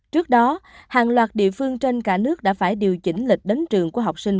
trước đó hàng loạt địa phương trên cả nước đã phải điều chỉnh lịch đến trường của học sinh